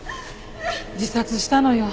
自殺したのよ。